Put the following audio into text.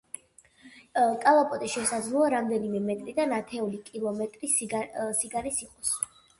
კალაპოტი შესაძლოა რამდენიმე მეტრიდან ათეული კილომეტრი სიგანის იყოს.